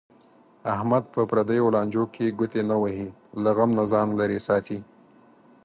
احمد په پردیو لانجو کې ګوتې نه وهي. له غم نه ځان لرې ساتي.